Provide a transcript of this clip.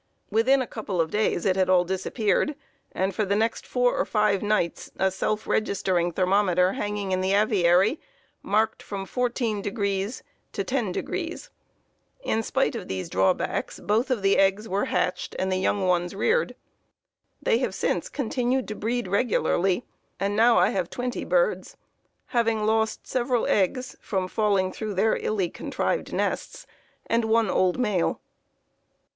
Within a couple of days it had all disappeared, and for the next four or five nights a self registering thermometer, hanging in the aviary, marked from 14° to 10°. In spite of these drawbacks both of the eggs were hatched and the young ones reared. They have since continued to breed regularly, and now I have twenty birds, having lost several eggs from falling through their illy contrived nests and one old male."